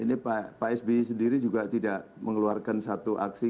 ini pak sby sendiri juga tidak mengeluarkan satu aksi